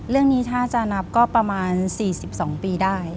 เรื่องนี้ถ้าจะนับก็ประมาณ๔๒ปีได้